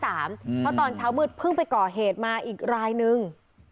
เพราะตอนเช้ามืดเพิ่งไปก่อเหตุมาอีกรายนึง